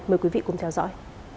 mời quý vị cùng theo dõi